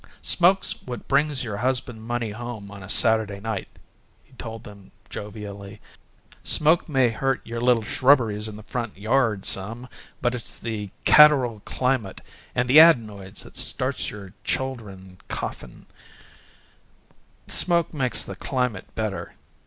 "Smoke's what brings your husbands' money home on Saturday night," he told them, jovially. "Smoke may hurt your little shrubberies in the front yard some, but it's the catarrhal climate and the adenoids that starts your chuldern coughing. Smoke makes the climate better.